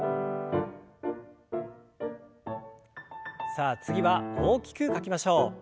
さあ次は大きく書きましょう。